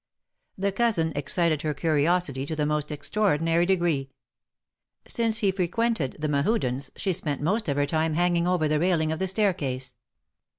The cousin excited her curiosity to the most extraordinary degree. Since he frequented the Mehudens, she spent most of her time hanging over the railing of the staircase.